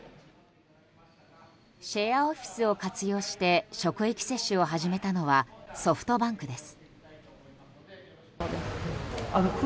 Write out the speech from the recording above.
シェアオフィスを活用して職域接種を始めたのはソフトバンクです。